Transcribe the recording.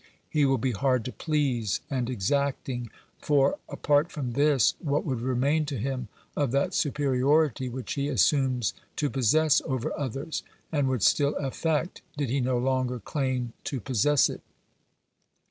He will be hard to please and exacting, for, apart from this, what would remain to him of that superiority which he assumes to possess over others, and would still affect, did he no longer claim to possess it?